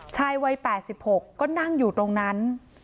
ชายวัย๘๖ก็นั่งอยู่ตรงนั้น